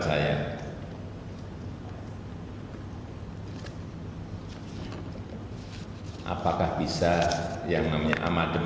setelah ini dilakukan presiden